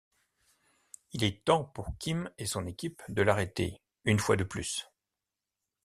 Il est temps pour Kim et son équipe de l'arrêter, une fois de plus.